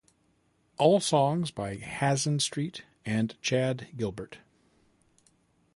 All songs by Hazen Street and Chad Gilbert.